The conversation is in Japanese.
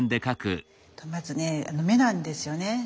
まずね目なんですよね。